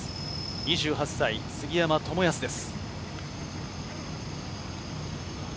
２８歳、杉山知靖です。